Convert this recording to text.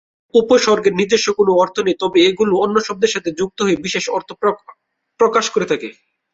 উপসর্গের নিজস্ব কোনো অর্থ নেই, তবে এগুলো অন্য শব্দের সাথে যুক্ত হয়ে বিশেষ অর্থ প্রকাশ করে থাকে।